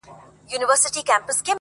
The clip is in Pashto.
• د دنیا وروستۍ شېبې وروستی ساعت دی -